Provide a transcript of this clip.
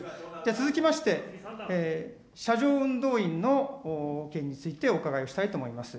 続きまして、車上運動員の件についてお伺いをしたいと思います。